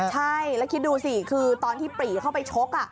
ใช่แล้วคิดดูสิคือตอนที่ปรีเข้าไปชก